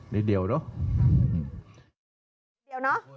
นิดเดียวเนาะ